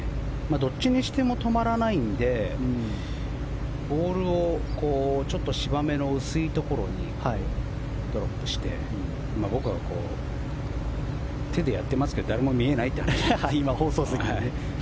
どっちにしても止まらないのでボールをちょっと芝目の薄いところにドロップして僕は手でやってますけど今、放送席でね。